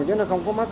chứ nó không có mắc